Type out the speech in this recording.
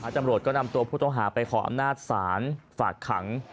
ตำรวจก็นำตัวผู้ต้องหาไปขออำนาจศาลฝากขัง